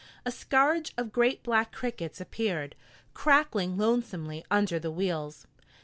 A scourge of great black crickets appeared, crackling loathsomely under the wheels.